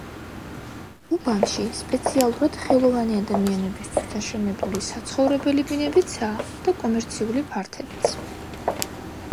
უბანში სპეციალურად ხელოვანი ადამიანებისთვის აშენებული საცხოვრებელი ბინებიცაა და კომერციული ფართებიც.